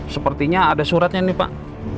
sepertinya ada suratnya nih pak